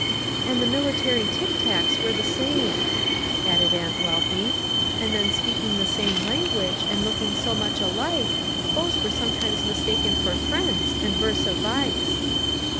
"And the military tic tacs were the same," added Aunt Wealthy; "and then speaking the same language, and looking so much alike, foes were sometimes mistaken for friends, and versa vice."